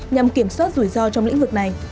nhằm kiểm soát rủi ro trong lĩnh vực này